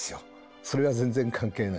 それは全然関係ないです。